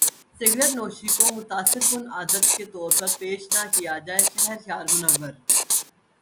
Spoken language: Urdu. سگریٹ نوشی کو متاثر کن عادت کے طور پر پیش نہ کیا جائے شہریار منور